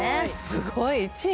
すごい１位？